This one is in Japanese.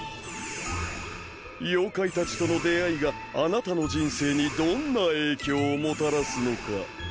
妖怪たちとの出会いがあなたの人生にどんな影響をもたらすのか。